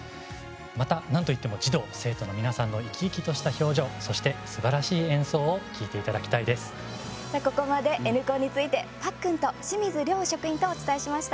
また、なんといっても児童、生徒の皆さんの生き生きとした表情そして、すばらしい演奏をさあ、ここまで「Ｎコン」について、パックンと清水亮職員とお伝えしました。